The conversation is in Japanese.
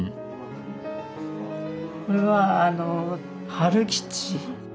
これはあの春吉。